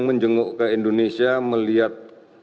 menjenguk ke indonesia melihat